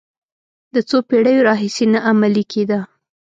د څو پېړیو راهیسې نه عملي کېده.